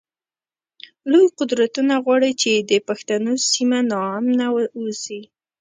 لوی قدرتونه غواړی چی د پښتنو سیمه ناامنه اوسی